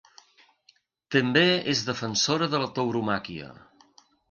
També és defensora de la tauromàquia.